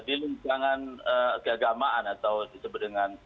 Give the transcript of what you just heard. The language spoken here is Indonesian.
di lingkungan keagamaan atau disebut dengan